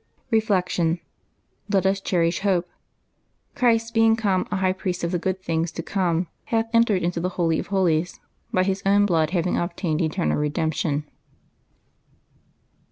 Reflection. — Let us cherish hope :" Christ being come, a High Priest of the good things to come, hath entered into the holy of holies, by His own blood having obtained eternal redemption."